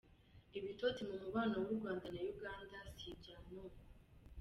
Ibitotsi mu mubano w’u Rwanda na Uganda si ibya none.